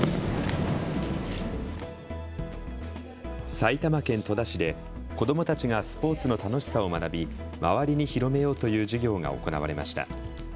埼玉県戸田市で子どもたちがスポーツの楽しさを学び周りに広めようという授業が行われました。